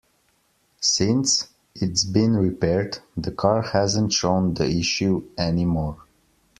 Since it's been repaired, the car hasn't shown the issue any more.